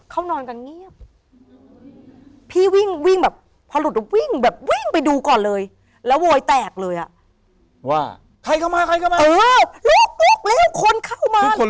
เลยอ่ะว่าใครเข้ามาใครเข้ามาเออลุกลุกแล้วคนเข้ามาซึ่งคน